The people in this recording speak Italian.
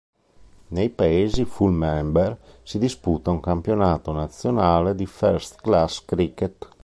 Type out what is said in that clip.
Nei paesi full member si disputa un campionato nazionale di First Class cricket.